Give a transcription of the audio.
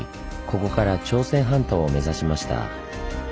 ここから朝鮮半島を目指しました。